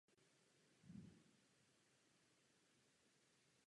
Dalším klíčovým prvkem účinného trhu s energiemi je infrastruktura.